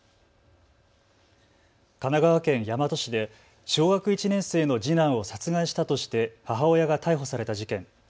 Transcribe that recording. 神奈川県大和市で小学１年生の次男を殺害したとして母親が逮捕された事件。